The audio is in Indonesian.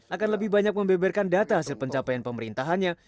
akan lebih banyak membeberkan data hasil pencapaian pemerintahannya